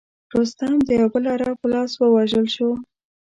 رستم د یوه بل عرب په لاس ووژل شو.